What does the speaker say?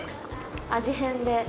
味変で。